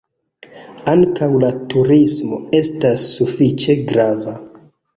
Ankaŭ la turismo estas sufiĉe grava.